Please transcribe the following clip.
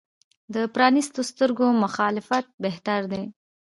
د پرانیستو سترګو مخالفت بهتر دی.